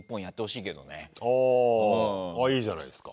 いいじゃないですか。